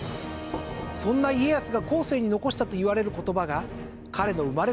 そんな家康が後世に遺したといわれる言葉が彼の生まれ